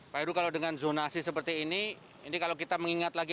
pak heru kalau dengan zonasi seperti ini ini kalau kita mengingat lagi